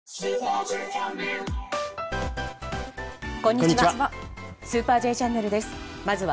こんにちは。